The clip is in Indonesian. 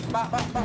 pak pak pak